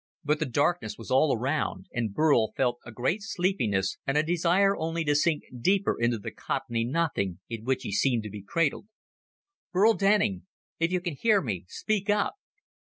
But the darkness was all around, and Burl felt a great sleepiness and a desire only to sink deeper into the cottony nothing in which he seemed to be cradled. "Burl Denning! If you can hear me, speak up!"